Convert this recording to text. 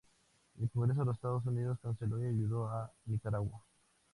El congreso de los Estados Unidos canceló ayuda a Nicaragua.